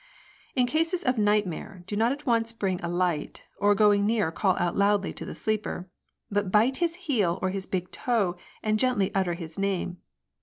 " In cases of nightmare, do not at once bring a light, or going near call out loudly to the sleeper, but bite his heel or his big toe, and gently utter his name.